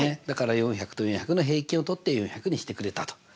だから４００と４００の平均をとって４００にしてくれたと。